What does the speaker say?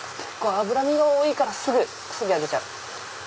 脂身が多いからすぐ焼けちゃう。